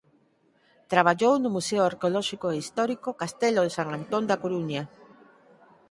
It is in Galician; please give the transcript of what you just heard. Traballou no Museo Arqueolóxico e Histórico Castelo de San Antón da Coruña.